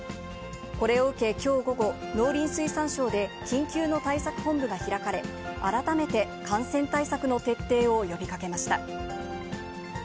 これを受け、きょう午後、農林水産省で緊急の対策本部が開かれ、改めて感染対策の徹底を呼びかけました。